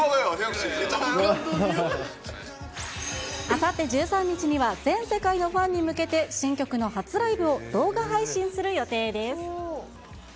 あさって１３日には、全世界のファンに向けて新曲の初ライブを動画配信する予定です。